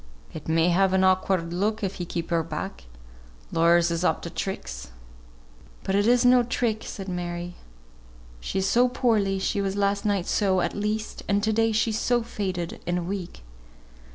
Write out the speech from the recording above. "It may have an awkward look, if we keep her back. Lawyers is up to tricks." "But it's no trick," said Mary. "She is so poorly, she was last night, at least; and to day she's so faded and weak."